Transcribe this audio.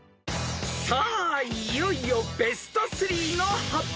［さあいよいよベスト３の発表］